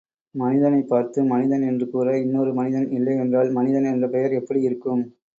மனிதனைப் பார்த்து மனிதன் என்று கூற இன்னொரு மனிதன் இல்லையென்றால் மனிதன் என்ற பெயர் எப்படியிருக்கும்?